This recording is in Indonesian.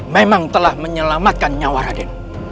memang telah menyelamatkan nyawa raden